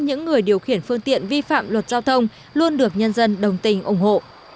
những người điều khiển phương tiện vi phạm luật giao thông luôn được nhân dân đồng tình ủng hộ